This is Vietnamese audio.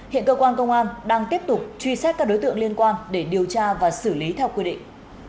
hiện cơ quan công an đang tiếp tục truy xét các đối tượng liên quan để điều tra và xử lý theo quy định